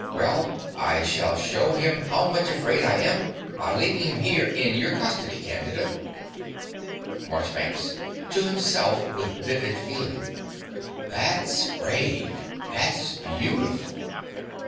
Well, I shall show him how much afraid I am by leaving him here in your custody, Candida. MARCHBANKS (to himself, with vivid feeling). That's brave. That's beautiful.